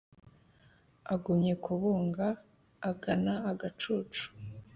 Agumya kubunga agana agacucu